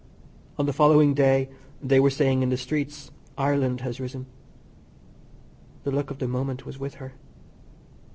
On the following day they were saying in the streets "Ireland has risen." The luck of the moment was with her.